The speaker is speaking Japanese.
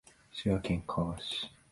滋賀県甲賀市